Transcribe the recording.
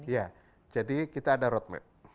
ya jadi kita ada roadmap